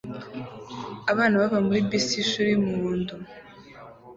Abana bava muri bisi yishuri yumuhondo